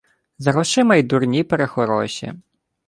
З грошима й дурні прехороші!